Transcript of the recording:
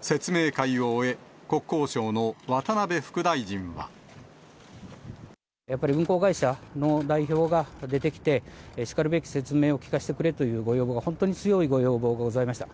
説明会を終え、やっぱり運航会社の代表が出てきて、しかるべき説明を聞かせてくれというご要望が、本当に強いご要望がございました。